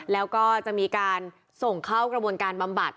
แล้วก็จะมีการส่งเข้ากระบวนการบำบัด